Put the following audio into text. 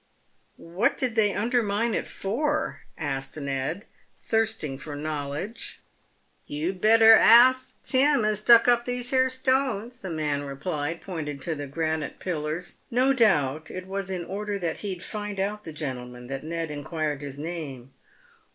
"What did they undermind it for?" asked Ned, thirsting for knowledge. PAVED WITH GOLD. 291 "You'd better ax him as stuck up these here stones," the man replied, pointing to the granite pillars. No doubt it was in order that he'd find out the gentleman that Ned inquired his name.